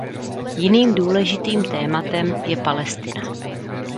Jiným důležitým tématem je Palestina.